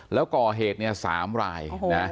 แล้วก่อเหตุเนี่ย๓ราย